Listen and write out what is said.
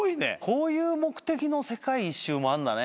こういう目的の世界一周もあるんだね。